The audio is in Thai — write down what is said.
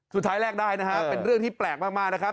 แลกได้นะฮะเป็นเรื่องที่แปลกมากนะครับ